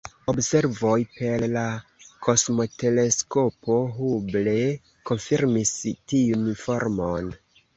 Observoj per la kosmoteleskopo Hubble konfirmis tiun formon.